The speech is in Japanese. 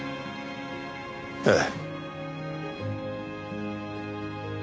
ええ。